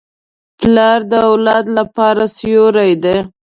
پلار د اولاد لپاره سیوری دی.